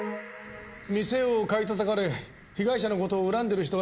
店を買い叩かれ被害者の事を恨んでいる人がいるかもしれない。